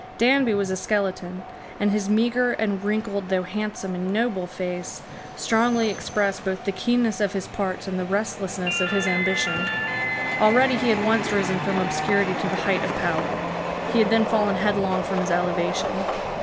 Danby was a skeleton; and his meagre and wrinkled, though handsome and noble, face strongly expressed both the keenness of his parts and the restlessness of his ambition. Already he had once risen from obscurity to the height of power. He had then fallen headlong from his elevation.